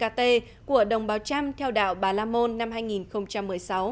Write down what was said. đã chính thức diễn ra lễ hội cà tê của đồng bào tràm theo đạo bà lamôn năm hai nghìn một mươi sáu